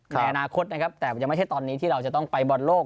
ในอนาคตนะครับแต่มันยังไม่ใช่ตอนนี้ที่เราจะต้องไปบอลโลก